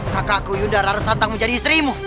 kakakku yudhara rarasanta menjadi istrimu